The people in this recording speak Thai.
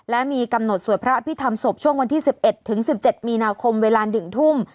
และมีกำหนดสวดพระอภิษฐรรมศพช่วงวันที่๑๑ถึง๑๗มีนาคมเวลา๑ทุ่ม